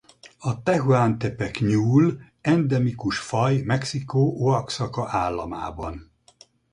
A tehuantepec-nyúl endemikus faj Mexikó Oaxaca államában.